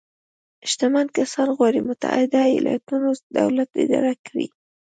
شتمن کسان غواړي متحده ایالتونو دولت اداره کړي.